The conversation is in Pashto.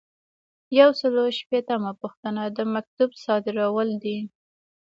یو سل او شپیتمه پوښتنه د مکتوب صادرول دي.